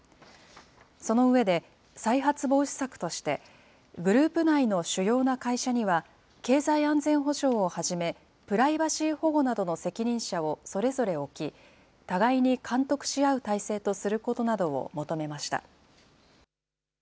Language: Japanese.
その上で、再発防止策として、グループ内の主要な会社には経済安全保障をはじめ、プライバシー保護などの責任者をそれぞれ置き、互いに監督し合う体制とすることなどを求めました。